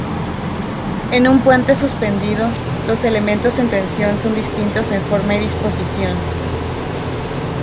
En un puente suspendido, los elementos en tensión son distintos en forma y disposición.